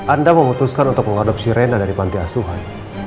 anda memutuskan untuk mengadopsi rena dari panti asuhan